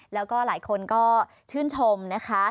แล้วก็หลายคนก็ชื่นชมนะคะ